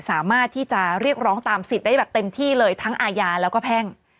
สามารถที่จะเรียกร้องตามสิทธิ์ได้แบบเต็มที่เลยทั้งอาญาแล้วก็แพ่ง